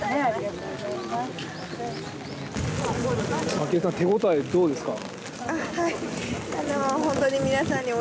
昭恵さん、手応えどうですか？